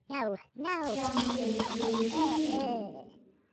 ยังเป็นพื้นที่